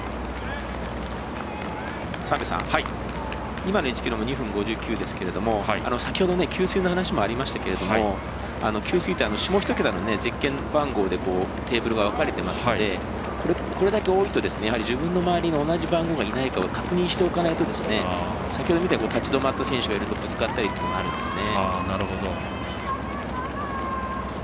今の１ｋｍの２分５９ですが先ほど給水の話もありましたが給水、下１桁のゼッケン番号でテーブルが分かれていますのでこれだけ多いと、自分の周りに同じ番号がいないか確認しておかないと先ほどみたいに立ち止まった選手がいたりぶつかったりというのもあるんですね。